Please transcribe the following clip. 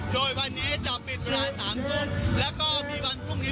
ขอบคุณทุกคนในกินเน็ตเวอร์เรคอร์ดครับ